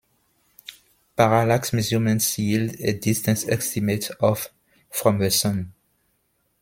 Parallax measurements yield a distance estimate of from the Sun.